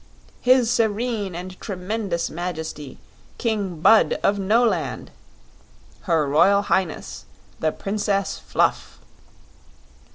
His Serene and Tremendous Majesty, King Bud of Noland. Her Royal Highness, the Princess Fluff."